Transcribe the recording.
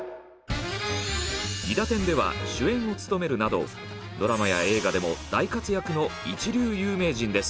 「いだてん」では主演を務めるなどドラマや映画でも大活躍の一流有名人です。